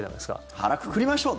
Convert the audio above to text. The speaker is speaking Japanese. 腹くくりましょうと。